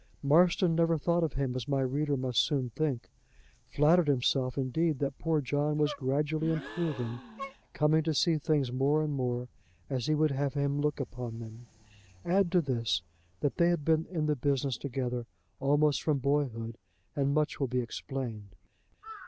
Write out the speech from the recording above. Marston never thought of him as my reader must soon think flattered himself, indeed, that poor John was gradually improving, coming to see things more and more as he would have him look on them. Add to this, that they had been in the business together almost from boyhood, and much will be explained.